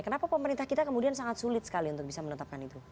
kenapa pemerintah kita kemudian sangat sulit sekali untuk bisa menetapkan itu